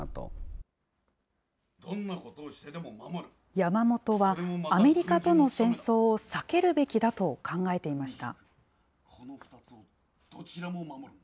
山本は、アメリカとの戦争を避けるべきだと考えていました。